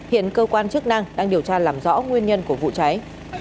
hiện cơ quan chức năng đang điều tra làm rõ nguyên nhân của vụ cháy